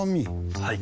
はい。